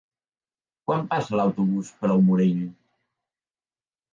Quan passa l'autobús per el Morell?